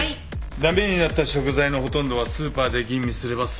駄目になった食材のほとんどはスーパーで吟味すれば揃う。